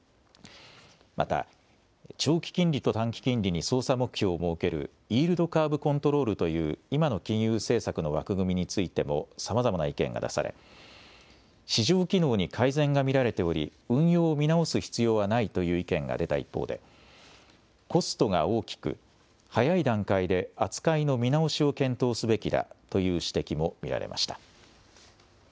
また、長期金利と短期金利に操作目標を設けるイールドカーブ・コントロールという今の金融政策の枠組みについてもさまざまな意見が出され、市場機能に改善が見られており、運用を見直す必要はないという意見が出た一方で、コストが大きく、早い段階で、扱いの見直しを検討すべきだという指摘も見られました。